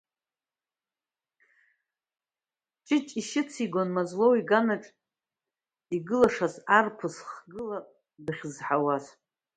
Ҷыҷ ишьыцигон Мазлоу иганаҿ игылашаз арԥыс хгыла дахьызҳауаз.